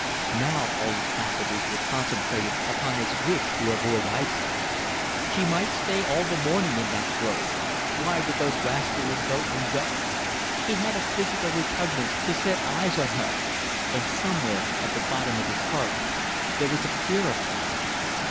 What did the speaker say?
Now all his faculties were concentrated upon his wish to avoid Aissa. She might stay all the morning in that grove. Why did those rascally boatmen go? He had a physical repugnance to set eyes on her. And somewhere, at the very bottom of his heart, there was a fear of her.